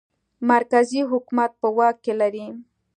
مرکزي حکومت په واک کې لري.